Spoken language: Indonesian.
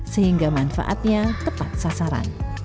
sehingga manfaatnya tepat sasaran